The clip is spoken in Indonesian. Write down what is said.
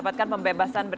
jatian epa jayante